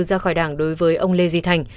ra khỏi đảng đối với ông lê duy thành